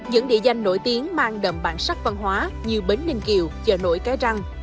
những địa danh nổi tiếng mang đậm bản sắc văn hóa như bến ninh kiều chợ nổi cái răng